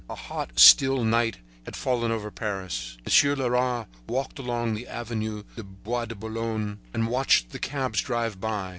A hot, still night had fallen over Paris. Monsieur Leras walked along the Avenue du Bois de Boulogne and watched the cabs drive by.